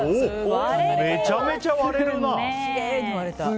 めちゃめちゃ割れるな！